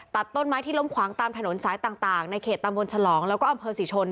ตัดต้นไม้ที่ลงขวางตามถนนซ้ายต่างในเขตตำบลฉลองแล้วก็อำเภอสิชลด้วย